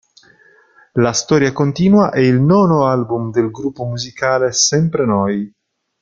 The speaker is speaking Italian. La storia continua... è il nono album del gruppo musicale Sempre Noi.